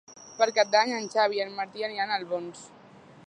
Per Cap d'Any en Xavi i en Martí aniran a Albons.